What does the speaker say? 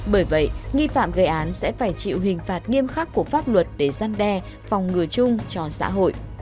bởi vậy nghi phạm gây án sẽ phải chịu hình phạt nghiêm khắc của pháp luật để gian đe phòng ngừa chung cho xã hội